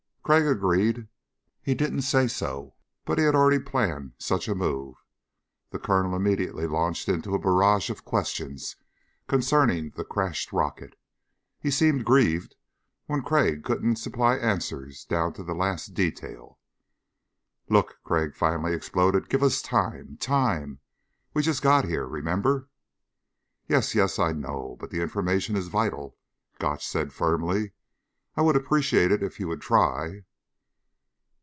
Crag agreed. He didn't say so but he had already planned just such a move. The Colonel immediately launched into a barrage of questions concerning the crashed rocket. He seemed grieved when Crag couldn't supply answers down to the last detail. "Look," Crag finally exploded, "give us time ... time. We just got here. Remember?" "Yes ... yes, I know. But the information is vital," Gotch said firmly. "I would appreciate it if you would try...."